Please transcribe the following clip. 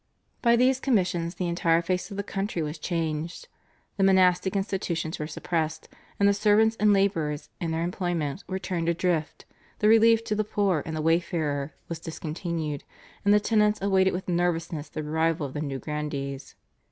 By these commissions the entire face of the country was changed. The monastic institutions were suppressed and the servants and labourers in their employment were turned adrift, the relief to the poor and the wayfarer was discontinued, and the tenants awaited with nervousness the arrival of the new grandees.